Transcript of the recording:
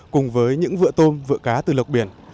cùng với những vựa tôm vựa cá từ lộc biển